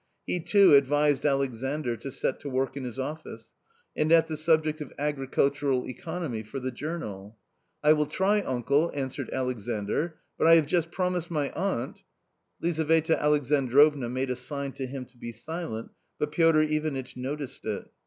He too advised Alexandr to set to work in his office, and at the subject of agricultural economy for the journal. " I will try, uncle," answered Alexandr, " but I have just promised my aunt " Lizaveta Alexandrovna made a sign to him to be silent, but Piotr Ivanitch noticed it.